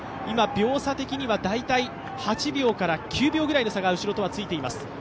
今、秒差的には大体８秒から９秒ぐらいの差が後ろとはついています。